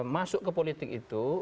masuk ke politik itu